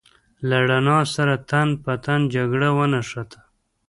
له رڼا سره تن په تن جګړه ونښته.